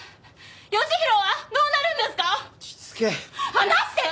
離して！